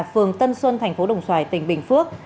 phường tân xuân thành phố đồng xoài tỉnh bình phước